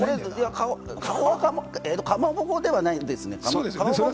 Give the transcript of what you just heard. かまぼこではないですね。